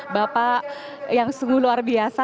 bapak yang sungguh luar biasa